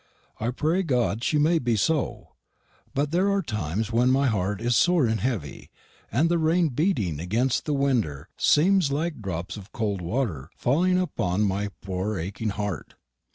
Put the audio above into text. I pray God she may be so. Butt theire are times whenn my harte is sore and heavy; and the rane beeting agenst the winder semes lik dropps of cold worter falling uponn my pore aking harte.